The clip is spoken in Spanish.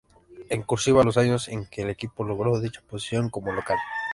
En "cursiva", los años en que el equipo logró dicha posición como local.